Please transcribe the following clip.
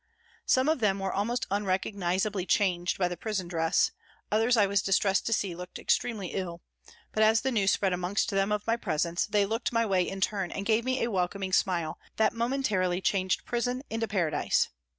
Some of them were almost unrecognisably changed by the prison dress, others I was distressed to see FROM THE CELLS 179 looked extremely ill, but, as the news spread amongst them of my presence, they looked my way in turn and gave me a welcoming smile that momentarily changed prison into paradise.